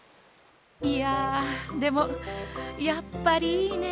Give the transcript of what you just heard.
いやでもやっぱりいいね。